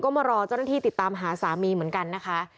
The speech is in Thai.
ก็มารอเจ้าหน้าที่ติดตามหาสามีเหมือนกันนะคะ